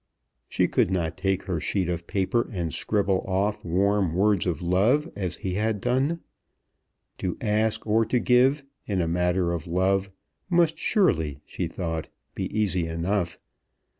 She could not take her sheet of paper, and scribble off warm words of love as he had done. To ask, or to give, in a matter of love must surely, she thought, be easy enough.